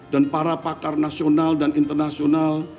dan para pakar nasional dan internasional